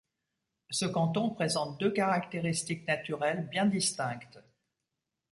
Ce canton présente deux caractéristiques naturelles bien distinctes.